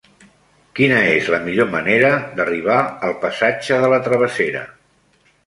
Quina és la millor manera d'arribar al passatge de la Travessera?